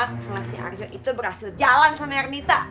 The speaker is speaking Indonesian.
kalau si aryo itu berhasil jalan sama ernita